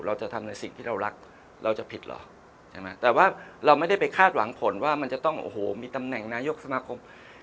เราจะทำในสิ่งที่เรารักเราจะผิดเหรอใช่ไหมแต่ว่าเราไม่ได้ไปคาดหวังผลว่ามันจะต้องโอ้โหมีตำแหน่งนายกสมาคม